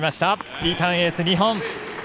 リターンエース、２本。